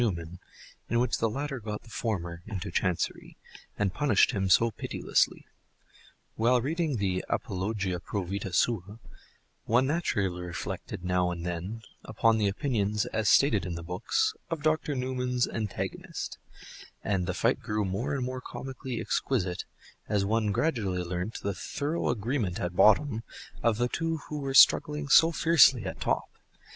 Newman, in which the latter got the former "into Chancery," and punished him so pitilessly. While reading the "Apologia pro Vitâ Sua," one naturally reflected now and then upon the opinions, as stated in the books, of Dr. Newman's antagonist; and the fight grew more and more comically exquisite as one gradually learnt the thorough agreement at bottom of the two who were struggling so fiercely at top.